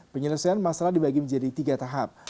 penyelesaian masalah dibagi menjadi tiga tahap